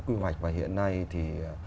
quy hoạch và hiện nay thì